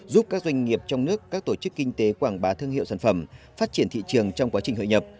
giúp các doanh nghiệp trong nước các tổ chức kinh tế quảng bá thương hiệu sản phẩm phát triển thị trường trong quá trình hội nhập